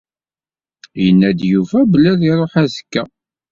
Yenna-d Yuba belli ad d-iruḥ azekka.